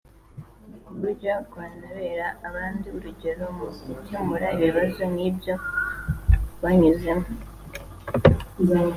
ku buryo rwanabera abandi urugero mu gukemura ibibazo nk’ibyo rwanyuzemo